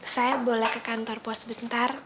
saya boleh ke kantor pos bentar